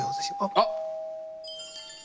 あっ！